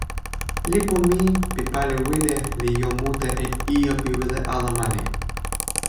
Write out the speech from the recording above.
lipu mi pi pali wile li jo mute e ijo pi wile ala mani.